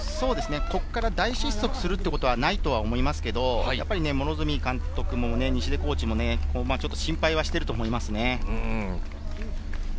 ここから大失速するということはないと思いますけど、両角監督も西出コーチも心配はしていると思いますね。